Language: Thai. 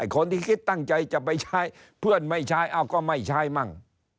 คนที่คิดตั้งใจจะไปใช้เพื่อนไม่ใช้เอ้าก็ไม่ใช้มั่ง